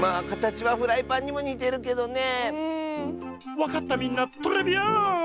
わかったみんなトレビアーン！